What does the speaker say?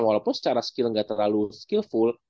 walaupun secara skill nggak terlalu skillful